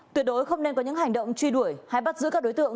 tuyệt đối không nên có những hành động truy đuổi hay bắt giữ các đối tượng